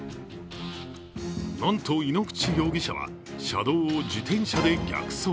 なんと、井ノ口容疑者は車道を自転車で逆走。